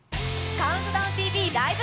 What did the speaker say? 「ＣＤＴＶライブ！